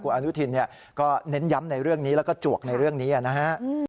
อนุทินก็เน้นย้ำในเรื่องนี้แล้วก็จวกในเรื่องนี้นะฮะ